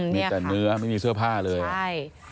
มีแต่เนื้อไม่มีเสื้อผ้าเลยใช่